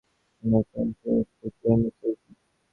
আমি এখনো এসে পৌছাইনি, সার্জেন্ট।